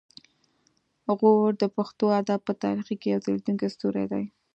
غور د پښتو ادب په تاریخ کې یو ځلیدونکی ستوری دی